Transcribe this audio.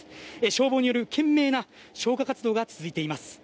消防による懸命な消火活動が続いています。